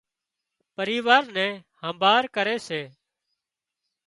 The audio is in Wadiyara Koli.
پريوار نِي همڀاۯ ڪري سي